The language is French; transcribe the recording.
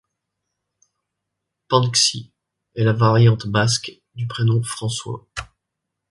Pantxi est la variante basque du prénom François.